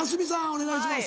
お願いします。